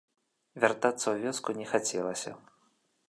Вяртацца ў вёску не хацелася.